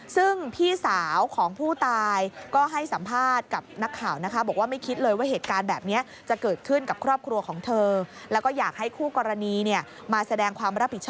ซึ่งพี่สาวของผู้ตายก็ให้สัมภาษณ์กับนักข่าว